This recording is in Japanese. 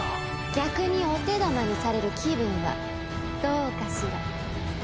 逆にお手玉にされる気分はどうかしら？